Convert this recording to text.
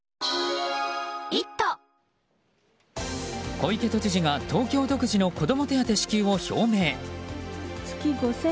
小池都知事が東京独自の子供手当支給を表明。